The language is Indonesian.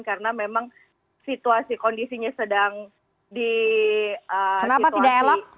karena memang situasi kondisinya sedang di situasi